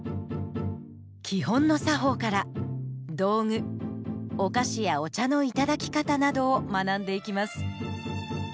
基本の作法から道具お菓子やお茶のいただき方などを学んでいきます。